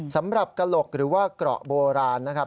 สำหรับกระหลกหรือว่าเกราะโบราณนะครับ